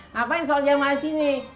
ngapain sholat jamaah di sini